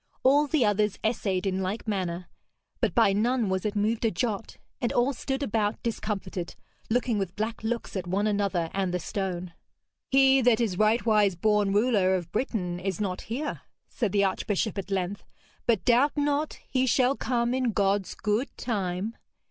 All the others essayed in like manner, but by none was it moved a jot, and all stood about discomfited, looking with black looks at one another and the stone. 'He that is rightwise born ruler of Britain is not here,' said the archbishop at length, 'but doubt not he shall come in God's good time.